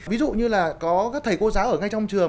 ví dụ như là có các thầy cô giáo ở ngay trong trường